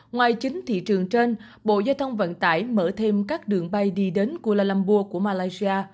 ngoài chính thị trường trên bộ giao thông vận tải mở thêm các đường bay đi đến kuala lumburg của malaysia